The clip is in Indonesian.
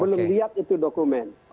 belum lihat itu dokumen